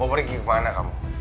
mau pergi kemana kamu